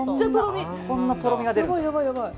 こんなとろみが出るんです。